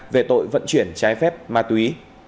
về tội vận chuyển trái phép ma túy